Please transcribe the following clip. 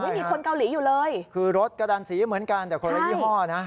มีคนเกาหลีอยู่เลยคือรถกระดันสีเหมือนกันแต่คนละยี่ห้อนะ